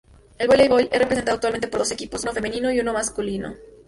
El voleibol es representado actualmente por dos equipos, uno femenino y uno masculino.